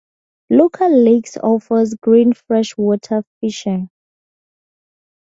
Local lakes offer great freshwater fishing.